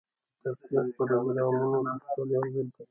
د تفریح پروګرامونه د ستړیا ضد دي.